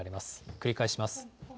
繰り返します。